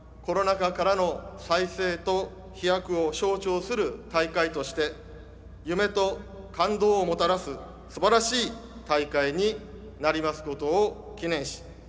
本大会が「コロナ禍からの再生と飛躍」を象徴する大会としてすばらしい大会になりますことを祈念し